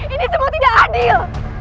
ini semua tidak adil